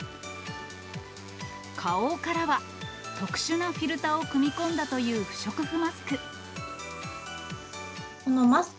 花王からは、特殊なフィルターを組み込んだという不織布マスク。